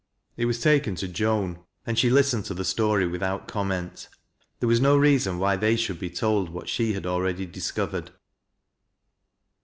It was taken to Joan and she (isteued to the story without comment. There was no rea Bou why they should be told what slie had already discov Bred.